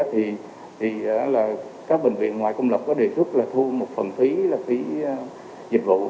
thì các bệnh viện ngoài công lập có đề xuất là thu một phần phí dịch vụ